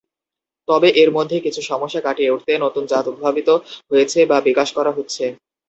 তবে এর মধ্যে কিছু সমস্যা কাটিয়ে উঠতে নতুন জাত উদ্ভাবিত হয়েছে বা বিকাশ করা হচ্ছে।